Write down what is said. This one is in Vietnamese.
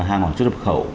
hàng hóa chốt trập khẩu